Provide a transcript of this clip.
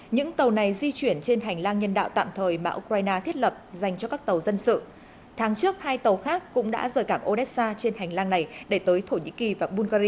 những tàu này di chuyển trên hành lang nhân đạo tạm thời mà nước này thiết lập